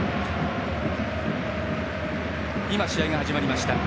試合が始まりました。